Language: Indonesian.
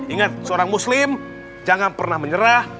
ingat seorang muslim jangan pernah menyerah